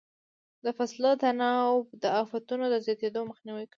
د فصلو تناوب د افتونو د زیاتېدو مخنیوی کوي.